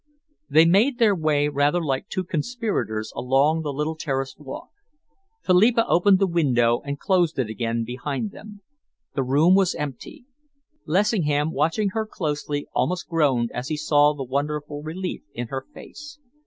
They made their way rather like two conspirators along the little terraced walk. Philippa opened the window and closed it again behind them. The room was empty. Lessingham, watching her closely, almost groaned as he saw the wonderful relief in her face.